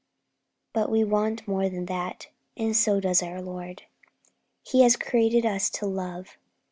But we want more than that, and so does our Lord. He has created us to love.